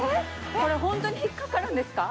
これホントに引っ掛かるんですか？